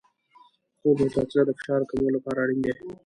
خوب او تغذیه د فشار کمولو لپاره اړین دي.